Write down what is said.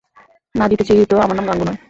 না জিতেছি তো আমার নাম গাঙু নয়।